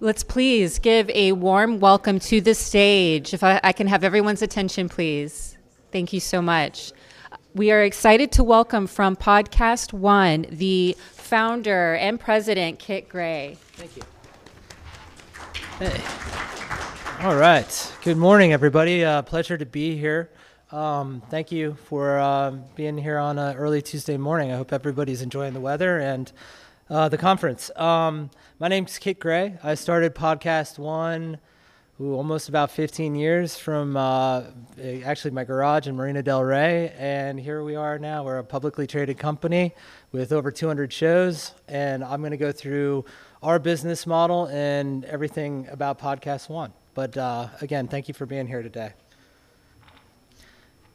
Let's please give a warm welcome to the stage, if I can have everyone's attention, please. Thank you so much. We are excited to welcome from PodcastOne, the Founder and President, Kit Gray. Thank you. All right. Good morning, everybody. A pleasure to be here. Thank you for being here on a early Tuesday morning. I hope everybody's enjoying the weather and the conference. My name's Kit Gray. I started PodcastOne, almost about 15 years from actually my garage in Marina del Rey, and here we are now. We're a publicly traded company with over 200 shows. I'm gonna go through our business model and everything about PodcastOne. Again, thank you for being here today.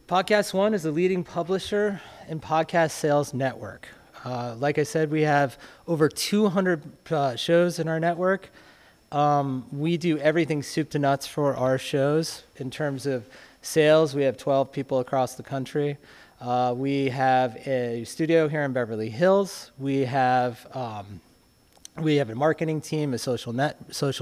PodcastOne is a leading publisher and podcast sales network. Like I said, we have over 200 shows in our network. We do everything soup to nuts for our shows in terms of sales. We have 12 people across the country. We have a studio here in Beverly Hills. We have a marketing team, a social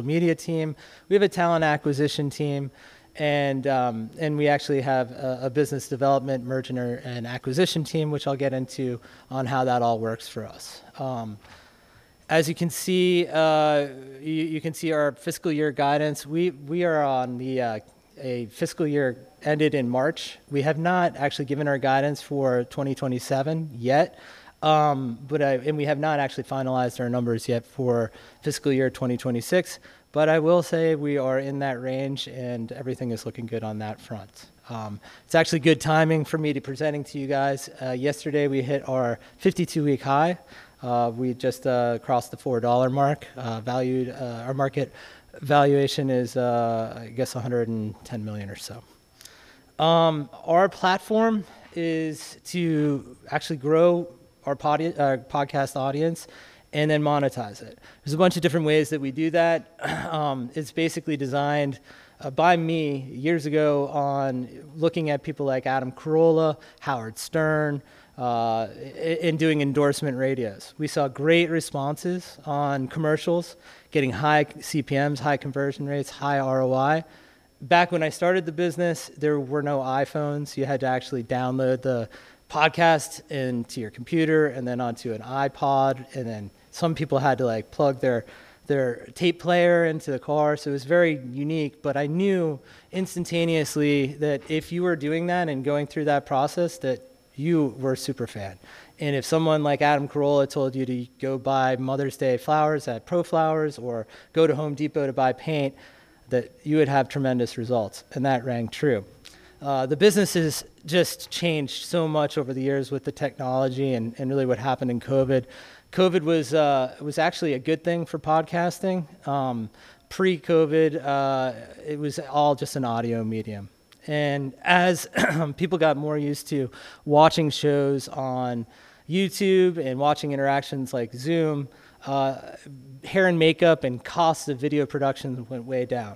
media team. We have a talent acquisition team, and we actually have a business development merger and acquisition team, which I'll get into on how that all works for us. As you can see, you can see our fiscal year guidance. We are on a fiscal year ended in March. We have not actually given our guidance for 2027 yet. We have not actually finalized our numbers yet for fiscal year 2026, but I will say we are in that range, and everything is looking good on that front. It's actually good timing for me to presenting to you guys. Yesterday, we hit our 52-week high. We just crossed the $4 mark. Our market valuation is, I guess $110 million or so. Our platform is to actually grow our podcast audience and then monetize it. There's a bunch of different ways that we do that. It's basically designed by me years ago on looking at people like Adam Carolla, Howard Stern, in doing endorsement radios. We saw great responses on commercials, getting high CPMs, high conversion rates, high ROI. Back when I started the business, there were no iPhones. You had to actually download the podcast into your computer and then onto an iPod, and then some people had to, like, plug their tape player into the car, so it was very unique. I knew instantaneously that if you were doing that and going through that process, that you were a super fan, and if someone like Adam Carolla told you to go buy Mother's Day flowers at ProFlowers or go to The Home Depot to buy paint, that you would have tremendous results, and that rang true. The business has just changed so much over the years with the technology and really what happened in COVID. COVID was actually a good thing for podcasting. Pre-COVID, it was all just an audio medium. As people got more used to watching shows on YouTube and watching interactions like Zoom, hair and makeup and costs of video production went way down.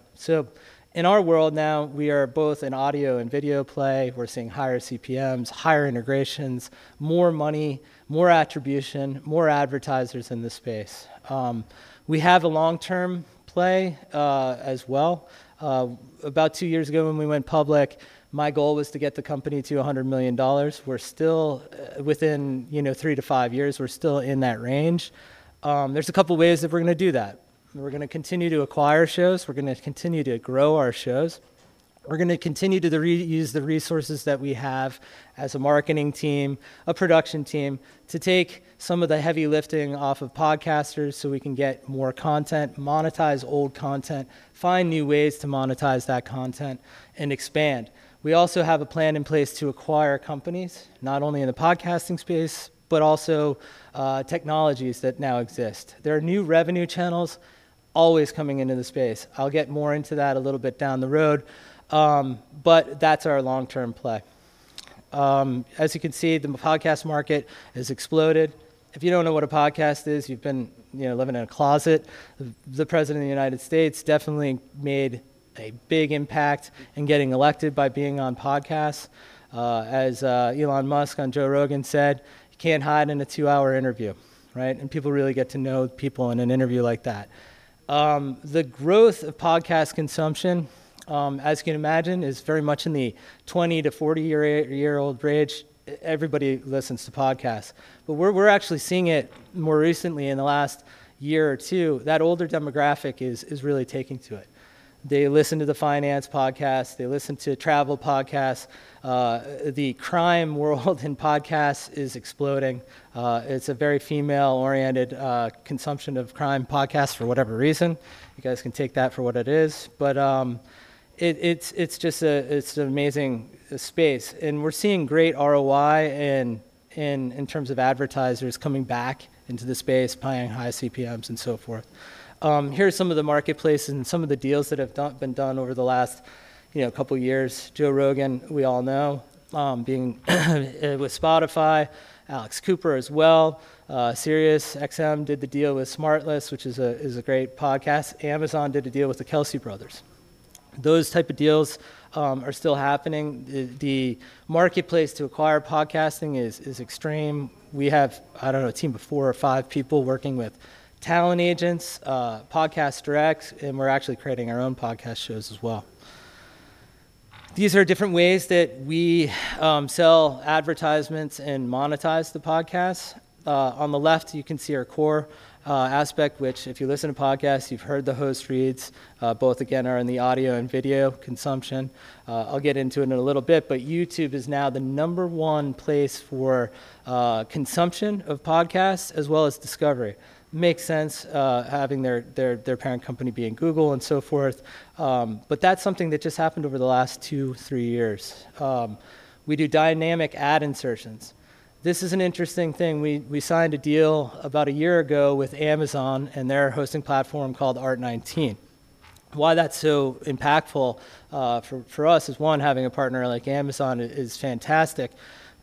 In our world now, we are both an audio and video play. We're seeing higher CPMs, higher integrations, more money, more attribution, more advertisers in the space. We have a long-term play as well. About two years ago when we went public, my goal was to get the company to $100 million. We're still, you know, within three to five years, we're still in that range. There's a couple ways that we're gonna do that. We're gonna continue to acquire shows. We're gonna continue to grow our shows. We're gonna continue to reuse the resources that we have as a marketing team, a production team, to take some of the heavy lifting off of podcasters so we can get more content, monetize old content, find new ways to monetize that content, and expand. We also have a plan in place to acquire companies, not only in the podcasting space, but also technologies that now exist. There are new revenue channels always coming into the space. I'll get more into that a little bit down the road. That's our long-term play. As you can see, the podcast market has exploded. If you don't know what a podcast is, you've been, you know, living in a closet. The President of the United States definitely made a big impact in getting elected by being on podcasts. As Elon Musk on Joe Rogan said, You can't hide in a two-hour interview, right? People really get to know people in an interview like that. The growth of podcast consumption, as you can imagine, is very much in the 20 to 40 year-old range. Everybody listens to podcasts. We're actually seeing it more recently in the last year or two, that older demographic is really taking to it. They listen to the finance podcasts. They listen to travel podcasts. The crime world in podcasts is exploding. It's a very female-oriented consumption of crime podcasts for whatever reason. You guys can take that for what it is. It's just an amazing space, and we're seeing great ROI in terms of advertisers coming back into the space, paying high CPMs and so forth. Here are some of the marketplace and some of the deals that have been done over the last, you know, couple of years. Joe Rogan, we all know, being with Spotify. Alex Cooper as well. SiriusXM did the deal with SmartLess, which is a great podcast. Amazon did a deal with the Kelce Brothers. Those type of deals are still happening. The marketplace to acquire podcasting is extreme. We have, I don't know, a team of four or five people working with talent agents, podcast directs, and we're actually creating our own podcast shows as well. These are different ways that we sell advertisements and monetize the podcasts. On the left, you can see our core aspect, which if you listen to podcasts, you've heard the host reads, both again are in the audio and video consumption. I'll get into it in a little bit, YouTube is now the number one place for consumption of podcasts as well as discovery. Makes sense, having their parent company being Google and so forth. That's something that just happened over the last two, three years. We do dynamic ad insertions. This is an interesting thing. We signed a deal about a year ago with Amazon and their hosting platform called ART19. Why that's so impactful for us is one, having a partner like Amazon is fantastic,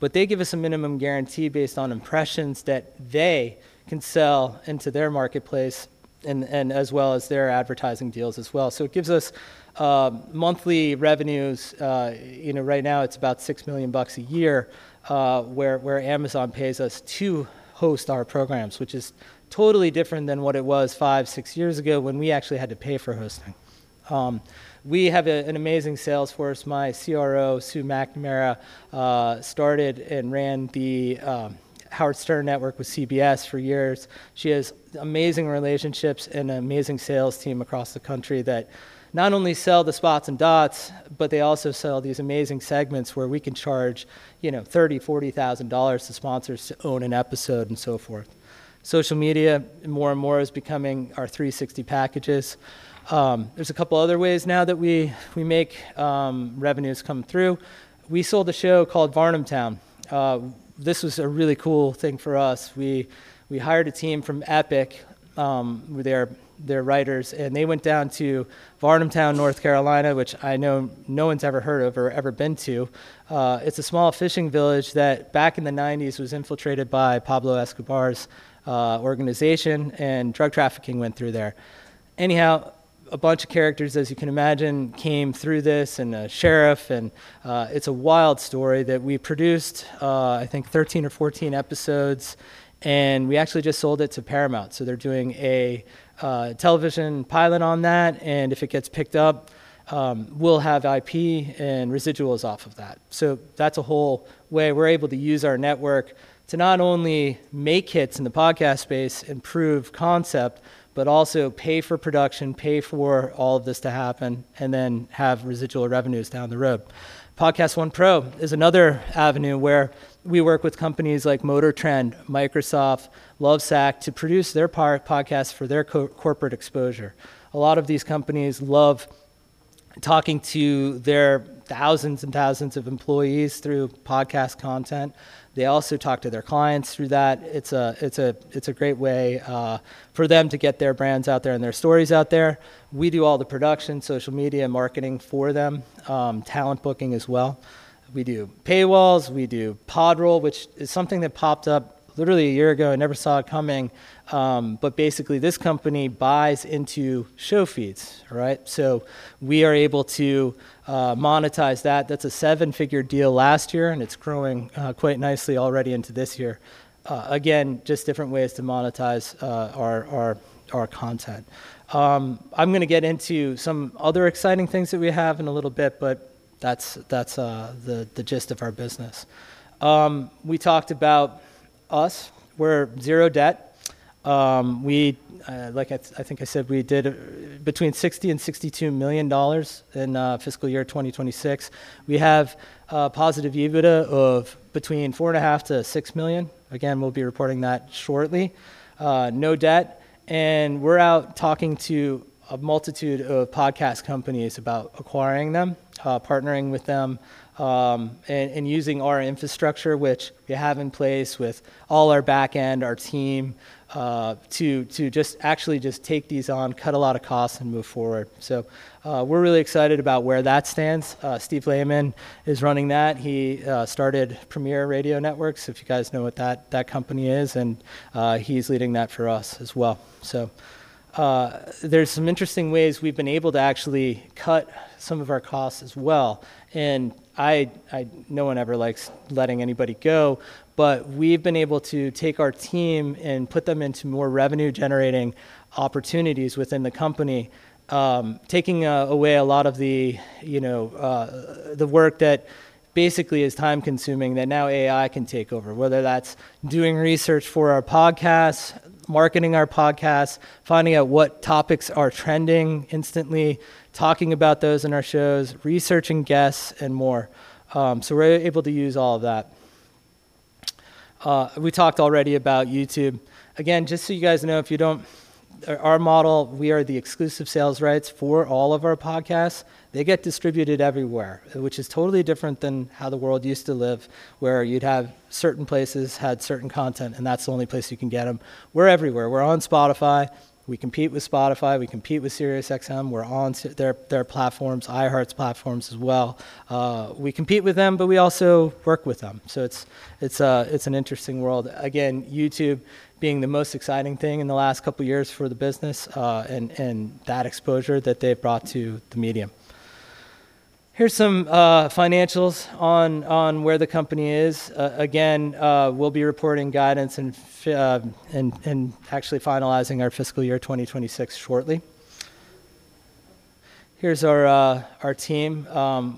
they give us a minimum guarantee based on impressions that they can sell into their marketplace as well as their advertising deals as well. It gives us monthly revenues. You know, right now it's about $6 million a year where Amazon pays us to host our programs, which is totally different than what it was five, six years ago when we actually had to pay for hosting. We have an amazing sales force. My CRO, Sue McNamara, started and ran the Howard Stern network with CBS for years. She has amazing relationships and an amazing sales team across the country that not only sell the spots and dots, but they also sell these amazing segments where we can charge, you know, $30,000-$40,000 to sponsors to own an episode and so forth. Social media more and more is becoming our 360 packages. There's a couple other ways now that we make revenues come through. We sold a show called Varnamtown. This was a really cool thing for us. We hired a team from Epic with their writers, and they went down to Varnamtown, North Carolina, which I know no one's ever heard of or ever been to. It's a small fishing village that back in the 90s was infiltrated by Pablo Escobar's organization, and drug trafficking went through there. Anyhow, a bunch of characters, as you can imagine, came through this and a sheriff, and it's a wild story that we produced, I think 13 or 14 episodes, and we actually just sold it to Paramount. They're doing a television pilot on that, and if it gets picked up, we'll have IP and residuals off of that. That's a whole way we're able to use our network to not only make hits in the podcast space and prove concept, but also pay for production, pay for all of this to happen, and then have residual revenues down the road. PodcastOne Pro is another avenue where we work with companies like MotorTrend, Microsoft, Lovesac to produce their podcast for their corporate exposure. A lot of these companies love talking to their thousands and thousands of employees through podcast content. They also talk to their clients through that. It's a great way for them to get their brands out there and their stories out there. We do all the production, social media, marketing for them, talent booking as well. We do paywalls. We do PodRoll, which is something that popped up literally a year ago. I never saw it coming. Basically this company buys into show feeds, right? We are able to monetize that. That's a seven-figure deal last year, it's growing quite nicely already into this year. Again, just different ways to monetize our content. I'm gonna get into some other exciting things that we have in a little bit, but that's the gist of our business. We talked about us. We're zero-debt. We, like I think I said, we did between $60 million and $62 million in fiscal year 2026. We have a positive EBITDA of between $4.5 million to $6 million. Again, we'll be reporting that shortly. No debt, and we're out talking to a multitude of podcast companies about acquiring them, partnering with them, and using our infrastructure, which we have in place with all our back end, our team, to just actually take these on, cut a lot of costs, and move forward. We're really excited about where that stands. Steve Lehman is running that. He started Premiere Radio Networks, if you guys know what that company is, and he's leading that for us as well. There's some interesting ways we've been able to actually cut some of our costs as well, and no one ever likes letting anybody go, but we've been able to take our team and put them into more revenue-generating opportunities within the company, taking away a lot of the, you know, the work that basically is time-consuming that now AI can take over, whether that's doing research for our podcasts, marketing our podcasts, finding out what topics are trending instantly, talking about those in our shows, researching guests, and more. We're able to use all of that. We talked already about YouTube. Again, just so you guys know, if you don't, our model, we are the exclusive sales rights for all of our podcasts. They get distributed everywhere, which is totally different than how the world used to live, where you'd have certain places had certain content, and that's the only place you can get them. We're everywhere. We're on Spotify. We compete with Spotify. We compete with SiriusXM. We're on their platforms, iHeart's platforms as well. We compete with them, but we also work with them. It's an interesting world. Again, YouTube being the most exciting thing in the last couple years for the business, and that exposure that they've brought to the medium. Here's some financials on where the company is. Again, we'll be reporting guidance in finalizing our fiscal year 2026 shortly. Here's our team.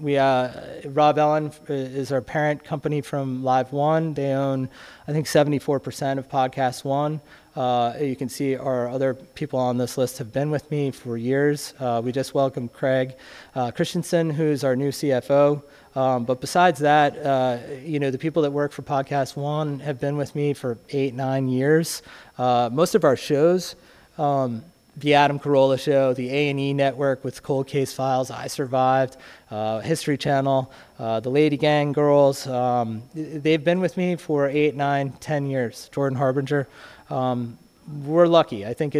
We, Rob Ellin is our parent company from LiveOne. They own, I think 74% of PodcastOne. You can see our other people on this list have been with me for years. We just welcomed Craig Christensen, who's our new CFO. But besides that, you know, the people that work for PodcastOne have been with me for eight, nine years. Most of our shows, The Adam Carolla Show, the A&E network with Cold Case Files, I Survived..., History Channel, The LadyGang girls, they've been with me for eight, nine, 10 years. Jordan Harbinger. We're lucky. I think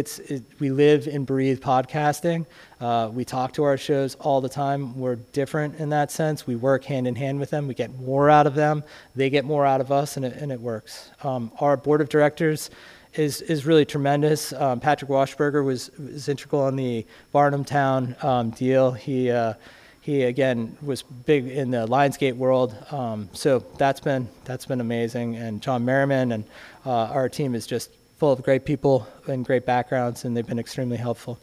we live and breathe podcasting. We talk to our shows all the time. We're different in that sense. We work hand-in-hand with them. We get more out of them. They get more out of us, and it, and it works. Our Board of Directors is really tremendous. Patrick Wachsberger was integral on the Varnamtown deal. He again, was big in the Lionsgate world. That's been amazing. Jon Merriman and our team is just full of great people and great backgrounds, they've been extremely helpful.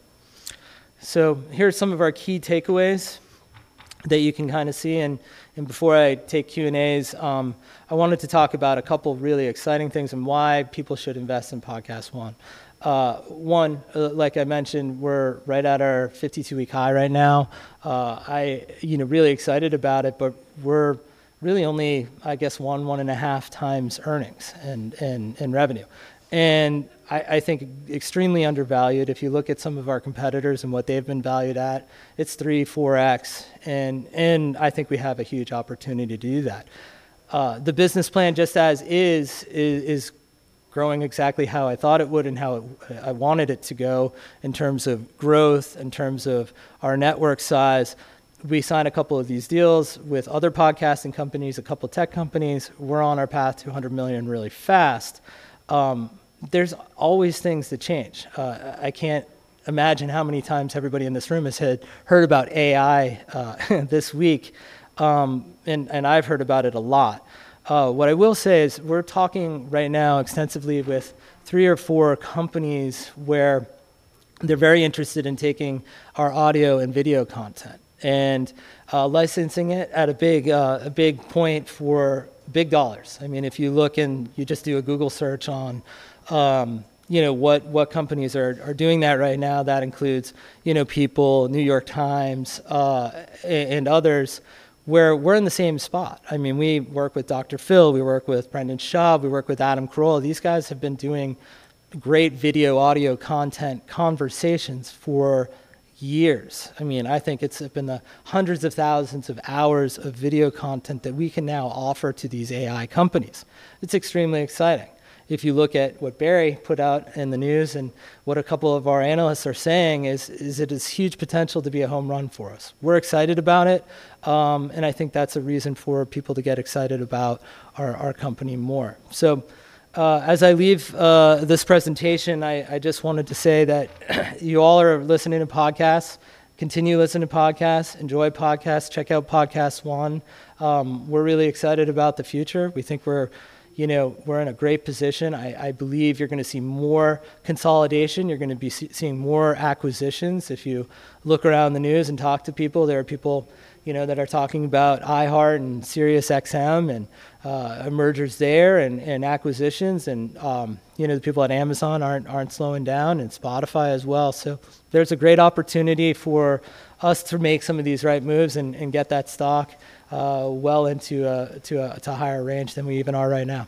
Here are some of our key takeaways that you can kind of see, and before I take Q&As, I wanted to talk about a couple really exciting things and why people should invest in PodcastOne. One, like I mentioned, we're right at our 52-week high right now. I, you know, really excited about it. We're really only, I guess, 1x-1.5x earnings and revenue. I think extremely undervalued. If you look at some of our competitors and what they've been valued at, it's 3x-4x, and I think we have a huge opportunity to do that. The business plan, just as is growing exactly how I thought it would and how I wanted it to go in terms of growth, in terms of our network size. We signed a couple of these deals with other podcasting companies, a couple tech companies. We're on our path to $100 million really fast. There's always things that change. I can't imagine how many times everybody in this room has heard about AI this week. I've heard about it a lot. What I will say is we're talking right now extensively with three or four companies where they're very interested in taking our audio and video content and licensing it at a big, a big point for big dollars. I mean, if you look and you just do a Google search on, you know, what companies are doing that right now, that includes, you know, People, New York Times and others, where we're in the same spot. I mean, we work with Dr. Phil. We work with Brendan Schaub. We work with Adam Carolla. These guys have been doing great video/audio content conversations for years. I mean, I think it's been the hundreds of thousands of hours of video content that we can now offer to these AI companies. It's extremely exciting. If you look at what Barry put out in the news and what a couple of our analysts are saying, it has huge potential to be a home run for us. We're excited about it, and I think that's a reason for people to get excited about our company more. As I leave this presentation, I just wanted to say that you all are listening to podcasts. Continue listening to podcasts, enjoy podcasts, check out PodcastOne. We're really excited about the future. We think we're, you know, we're in a great position. I believe you're gonna see more consolidation. You're gonna be seeing more acquisitions. If you look around the news and talk to people, there are people, you know, that are talking about iHeart and SiriusXM and mergers there and acquisitions and, you know, the people at Amazon aren't slowing down, and Spotify as well. There's a great opportunity for us to make some of these right moves and get that stock well into a higher range than we even are right now.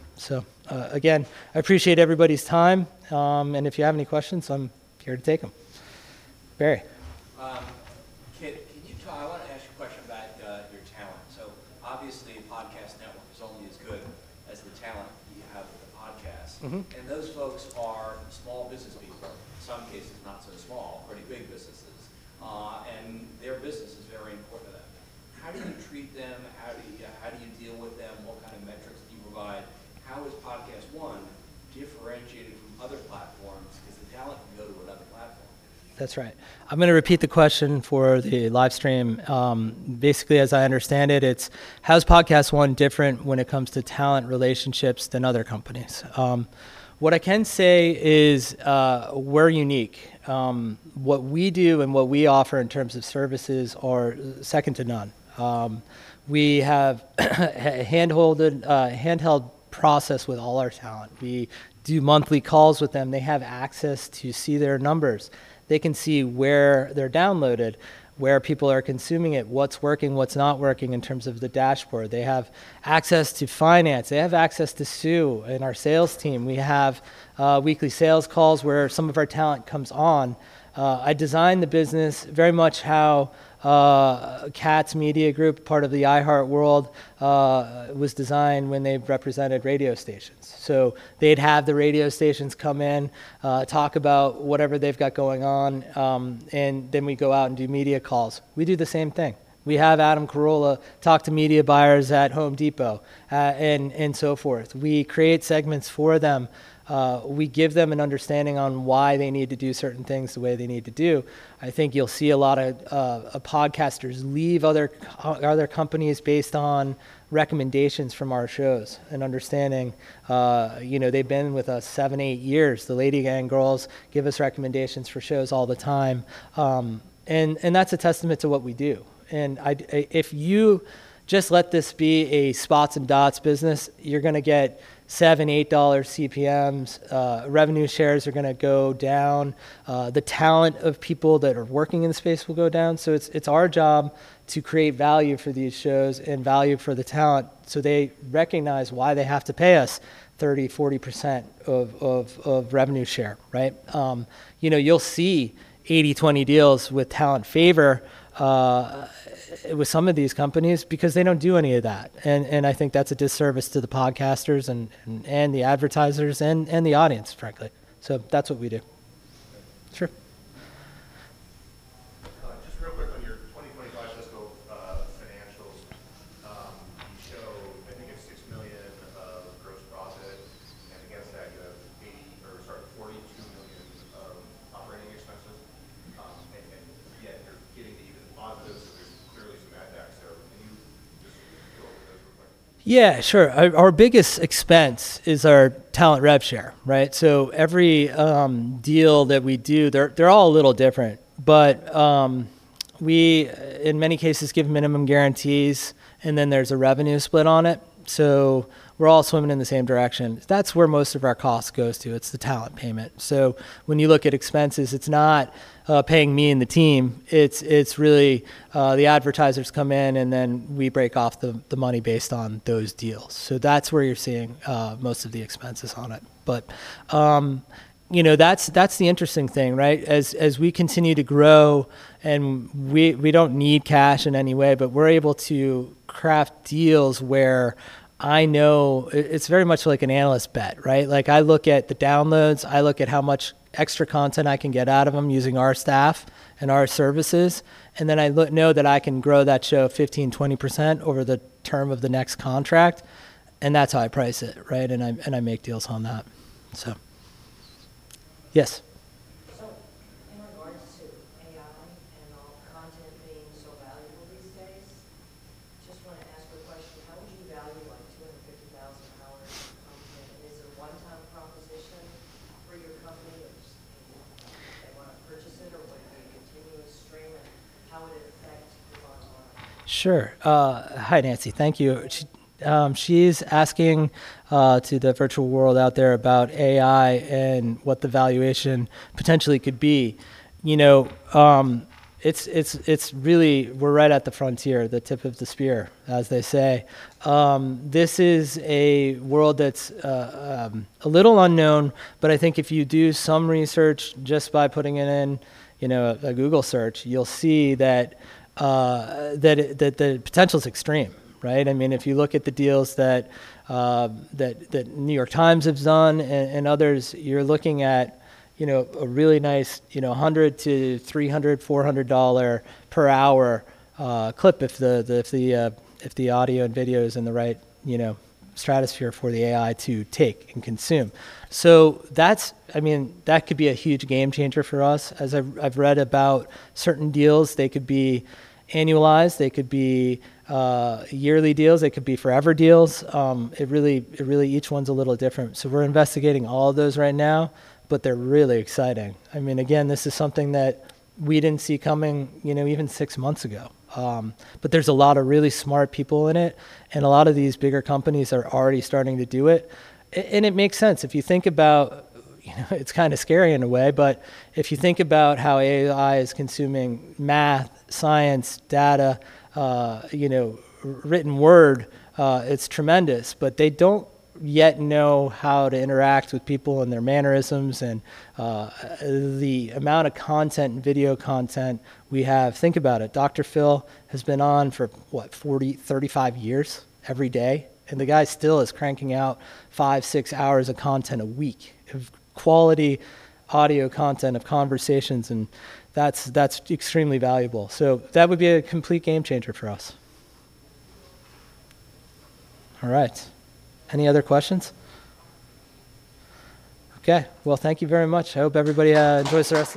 Again, I appreciate everybody's time. If you have any questions, I'm here to take them.[Barry]. Kit, I want to ask you a question about your talent. Obviously, a podcast network is only as good as the talent you have with the podcast. Those folks are small business people. Some cases not so small, pretty big businesses. Their business is very important to them. How do you treat them? How do you deal with them? What kind of metrics do you provide? How is PodcastOne differentiated from other platforms? The talent can go to another platform. That's right. I'm gonna repeat the question for the live stream. Basically, as I understand it's how is PodcastOne different when it comes to talent relationships than other companies? What I can say is, we're unique. What we do and what we offer in terms of services are second to none. We have a handheld process with all our talent. We do monthly calls with them. They have access to see their numbers. They can see where they're downloaded, where people are consuming it, what's working, what's not working in terms of the dashboard. They have access to finance. They have access to Sue and our sales team. We have weekly sales calls where some of our talent comes on. I designed the business very much how Katz Media Group, part of the iHeart world, was designed when they represented radio stations. They'd have the radio stations come in, talk about whatever they've got going on, we go out and do media calls. We do the same thing. We have Adam Carolla talk to media buyers at Home Depot and so forth. We create segments for them. We give them an understanding on why they need to do certain things the way they need to do. I think you'll see a lot of podcasters leave other companies based on recommendations from our shows and understanding, you know, they've been with us seven, eight years. The LadyGang girls give us recommendations for shows all the time. That's a testament to what we do. If you just let this be a spots and dots business, you're gonna get $7-$8 CPMs. Revenue shares are gonna go down. The talent of people that are working in the space will go down. It's our job to create value for these shows and value for the talent so they recognize why they have to pay us 30%-40% of revenue share, right? You know, you'll see 80/20 deals with talent favor with some of these companies because they don't do any of that. I think that's a disservice to the podcasters and the advertisers and the audience, frankly. That's what we do. Sure. Just real quick on your 2025 fiscal financials. You show I think it's $6 million of gross profit, and against that you have $42 million of operating expenses. Yet you're getting to even positive, so there's clearly some add-backs there. Can you just go over those real quick? Yeah, sure. Our biggest expense is our talent rev share, right? Every deal that we do, they're all a little different. We in many cases give minimum guarantees, and then there's a revenue split on it. We're all swimming in the same direction. That's where most of our cost goes to. It's the talent payment. When you look at expenses, it's not paying me and the team, it's really the advertisers come in and then we break off the money based on those deals. That's where you're seeing most of the expenses on it. You know, that's the interesting thing, right? As we continue to grow and we don't need cash in any way, but we're able to craft deals where I know it's very much like an analyst bet, right? Like I look at the downloads, I look at how much extra content I can get out of them using our staff and our services, and then I know that I can grow that show 15%-20% over the term of the next contract, and that's how I price it, right? I make deals on that. Yes. In regards to AI and all content being so valuable these days, just wanna ask a question. How would you value, like, 250,000 hours of content? Is it a one-time proposition for your company if, you know, if they wanna purchase it, or would it be a continuous stream and how would it affect the bottom line? Sure. Hi, Nancy. Thank you. She's asking to the virtual world out there about AI and what the valuation potentially could be. You know, it's really we're right at the frontier, the tip of the spear, as they say. This is a world that's a little unknown, but I think if you do some research just by putting it in, you know, a Google search, you'll see that the potential's extreme, right? I mean, if you look at the deals that The New York Times have done and others, you're looking at, you know, a really nice, you know, $100 to $300, $400 per hour clip if the audio and video is in the right, you know, stratosphere for the AI to take and consume. I mean, that could be a huge game changer for us as I've read about certain deals. They could be annualized. They could be yearly deals. They could be forever deals. It really each one's a little different. We're investigating all of those right now, but they're really exciting. I mean, again, this is something that we didn't see coming, you know, even six months ago. There's a lot of really smart people in it, and a lot of these bigger companies are already starting to do it. It makes sense. If you think about, you know, it's kinda scary in a way, but if you think about how AI is consuming math, science, data, written word, it's tremendous. They don't yet know how to interact with people and their mannerisms and the amount of content and video content we have. Think about it. Dr. Phil has been on for, what, 40, 35 years every day, and the guy still is cranking out five, six hours of content a week of quality audio content, of conversations, and that's extremely valuable. That would be a complete game changer for us. All right. Any other questions? Okay. Well, thank you very much. I hope everybody enjoys the rest of the [day].